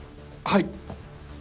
はい！